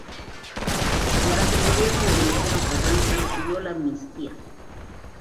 Durante el gobierno de Venustiano Carranza recibió la amnistía.